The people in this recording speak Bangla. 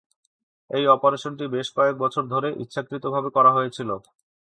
এই অপারেশনটি বেশ কয়েক বছর ধরে ইচ্ছাকৃতভাবে করা হয়েছিল।